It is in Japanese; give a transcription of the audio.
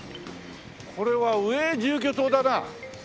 これは上住居棟だな。